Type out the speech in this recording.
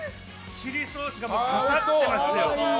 チリソースがもうかかってますよ。